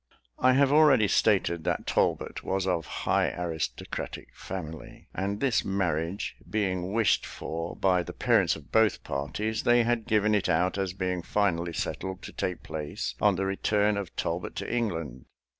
I have already stated that Talbot was of high aristocratic family; and this marriage being wished for by the parents of both parties, they had given it out as being finally settled to take place on the return of Talbot to England.